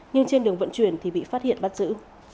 nhưng trên đường vận chuyển thì bị phát hiện bắt giữ